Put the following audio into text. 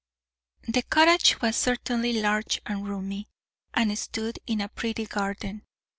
The cottage was certainly large and roomy, and stood in a pretty garden.